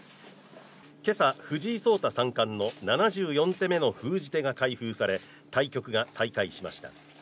今朝、藤井聡太三冠の７４手目の封じ手が開封され対局が再開しました。